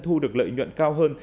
thu được lợi nhuận cao hơn